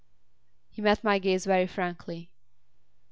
He met my gaze very frankly.